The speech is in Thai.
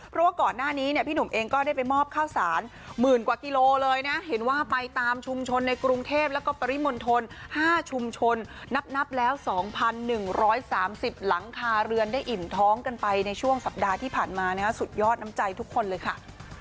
เพราะว่าก่อนหน้านี้เนี่ยพี่หนุ่มเองก็ได้ไปมอบข้าวสารหมื่นกว่ากิโลเลยนะเห็นว่าไปตามชุมชนในกรุงเทพแล้วก็ปริมณฑล๕ชุมชนนับแล้ว๒๑๓๐หลังคาเรือนได้อิ่มท้องกันไปในช่วงสัปดาห์ที่ผ่านมาสุดยอดน้ำใจทุกคนเลยค่ะ